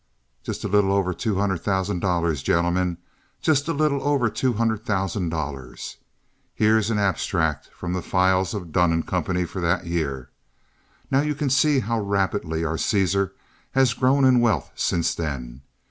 Just a little over two hundred thousand dollars, gentlemen—just a little over two hundred thousand dollars. Here is an abstract from the files of Dun & Company for that year. Now you can see how rapidly our Caesar has grown in wealth since then.